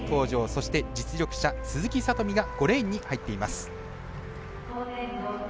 そして実力者、鈴木聡美が５レーンに入っています。